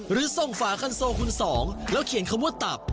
หรือส่งฝาคันโซคุณสองแล้วเขียนคำว่าตับ